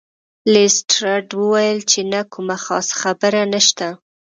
لیسټرډ وویل چې نه کومه خاصه خبره نشته.